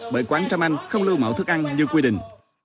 bởi quán trăm anh không lưu mẫu thức ăn như quy định